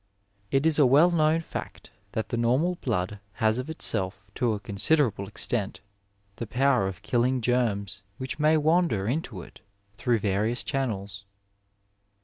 It is a weU known fact that the normal blood has of itself to a considerable extent the power of killing germs which may wander into it through various channels.